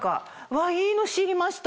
わぁいいの知りました！